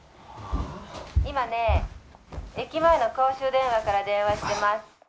「今ね駅前の公衆電話から電話してます」